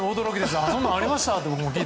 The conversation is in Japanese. そんなのありました？と。